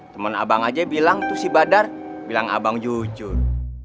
teman abang aja bilang itu si badar bilang abang jujur